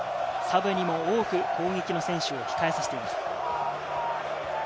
サブにも多く攻撃の選手を控えさせています。